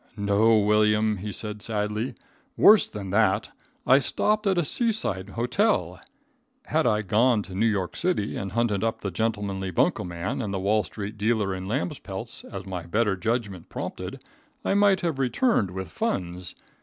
"No, William," he said sadly, "worse than that. I stopped at a seaside hotel. Had I gone to New York City and hunted up the gentlemanly bunko man and the Wall street dealer in lamb's pelts, as my better judgment prompted, I might have returned with funds.